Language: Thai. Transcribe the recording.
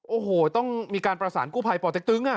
โอ้โหต้องมีการประสานกู้ภัยป่อเต็กตึ๊ง